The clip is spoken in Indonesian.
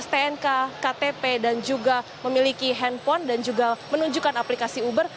stnk ktp dan juga memiliki handphone dan juga menunjukkan aplikasi uber